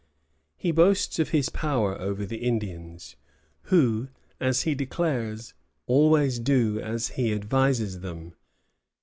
He boasts of his power over the Indians, who, as he declares, always do as he advises them.